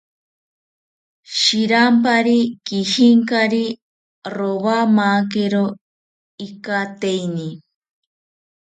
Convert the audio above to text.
Shirampari kijinkari, rowamakiro ikateini